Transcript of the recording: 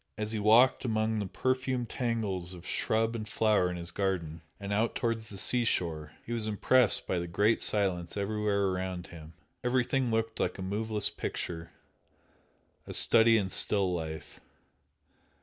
As he walked among the perfumed tangles of shrub and flower in his garden, and out towards the sea shore he was impressed by the great silence everywhere around him. Everything looked like a moveless picture a study in still life.